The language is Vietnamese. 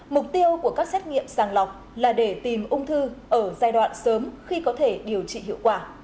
mục tiêu của các xét nghiệm sàng lọc là để tìm ung thư ở giai đoạn sớm khi có thể điều trị hiệu quả